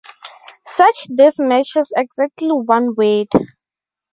Search this matches exactly one word.